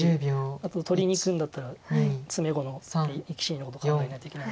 あと取りにいくんだったら詰碁の生き死にのこと考えないといけない。